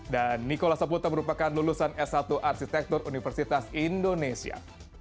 dan nicholas saputra merupakan lulusan s satu arsitektur universitas indonesia